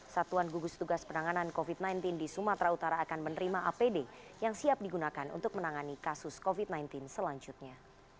satuan gugus tugas penanganan covid sembilan belas di sumatera utara akan menerima apd yang siap digunakan untuk menangani kasus covid sembilan belas selanjutnya